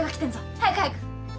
早く早く。